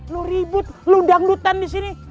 lo ribut lo dangdutan disini